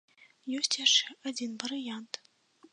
Ёсць яшчэ адзін варыянт.